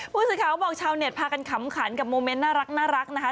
ผู้สื่อข่าวบอกชาวเน็ตพากันขำขันกับโมเมนต์น่ารักนะคะ